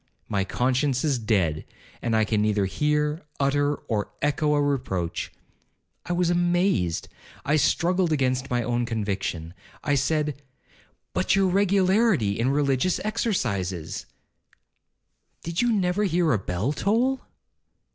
My conscience is dead, and can neither hear, utter, or echo a reproach. I was amazed—I struggled against my own conviction. I said, 'But your regularity in religious exercises—' 'Did you never hear a bell toll?'